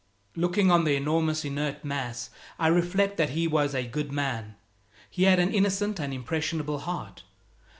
Looking on the enormous inert mass, I reflect that he was a good man. He had an innocent and impressionable heart.